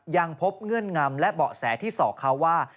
ยังพบเงื่อนงำและเบาะแสที่สอกเขาว่า